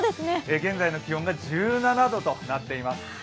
現在の気温が１７度となっています。